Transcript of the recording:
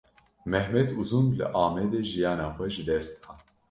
Mehmet Uzun, li Amedê jiyana xwe ji dest da